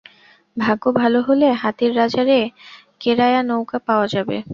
ভাগ্য ভালো হলে হাতির বাজারে কেরায়া নৌকা পাওয়া যাবে।